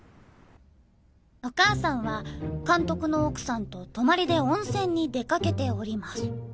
お母さんは監督の奥さんと泊まりで温泉に出かけております。